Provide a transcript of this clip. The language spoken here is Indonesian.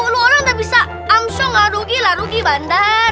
lu orang udah bisa langsung larugi larugi bandar